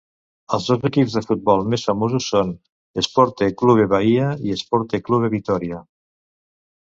Els dos equips de futbol més famosos són Esporte Clube Bahia i Esporte Clube Vitoria.